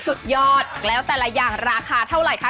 สุดยอดแล้วแต่ละอย่างราคาเท่าไหร่คะ